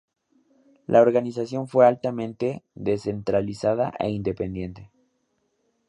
La organización fue altamente descentralizada e independiente.